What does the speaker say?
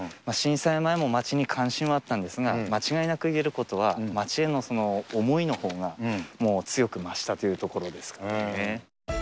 震災前も町に関心はあったんですが、間違いなく言えることは、町へのその思いのほうが、もう強く増したというところですかね。